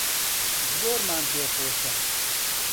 زۆرمان پێخۆشە